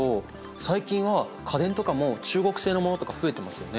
最近は家電とかも中国製のものとか増えてますよね？